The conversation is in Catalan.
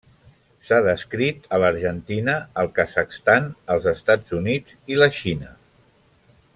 S'ha descrit a l'Argentina, el Kazakhstan, els Estats Units i la Xina.